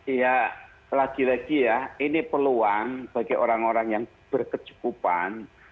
ya lagi lagi ya ini peluang bagi orang orang yang berkecukupan